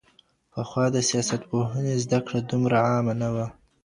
پخوا د سياستپوهنې زده کړه دومره عامه نه وه.